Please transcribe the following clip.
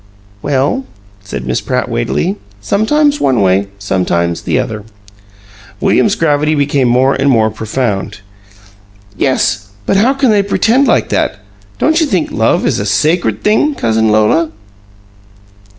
"Well," said Miss Pratt, weightily, "sometimes one way, sometimes the other." William's gravity became more and more profound. "Yes, but how can they pretend like that? Don't you think love is a sacred thing, Cousin Lola?"